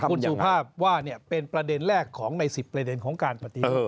คุณสุภาพว่าเป็นประเด็นแรกของใน๑๐ประเด็นของการปฏิรูป